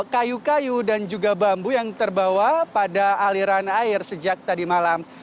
kayu kayu dan juga bambu yang terbawa pada aliran air sejak tadi malam